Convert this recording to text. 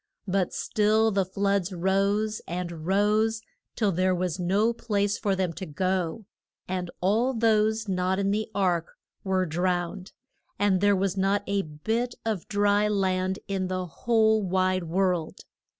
But still the floods rose and rose till there was no place for them to go, and all those not in the ark were drowned, and there was not a bit of dry land in the whole wide world.